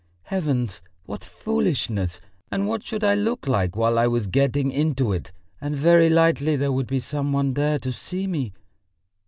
Heavens, what foolishness! And what should I look like while I was getting into it, and very likely there would be some one there to see me!